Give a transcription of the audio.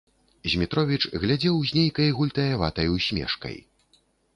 Змітровіч глядзеў з нейкай гультаяватай усмешкай.